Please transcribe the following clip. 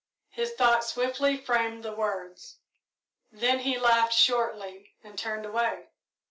His thought swiftly framed the words, then he laughed shortly, and turned away.